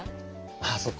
あそっか。